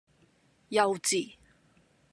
幼稚!